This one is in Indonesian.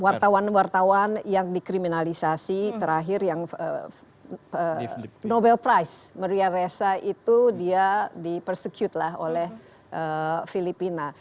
wartawan wartawan yang dikriminalisasi terakhir yang nobel price maria reza itu dia dipersecute lah oleh filipina